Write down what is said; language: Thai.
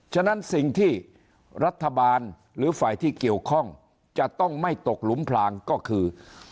ฉะนั้นสิ่งที่รัฐบาลหรือฝ่ายที่เกี่ยวข้องจะต้องไม่ตกหลุมพลางก็คือ